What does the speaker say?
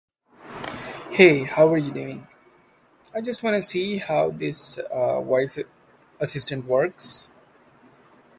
Both synthesizers received critical acclaim.